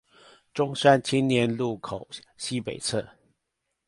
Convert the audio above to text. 中山青年路口西北側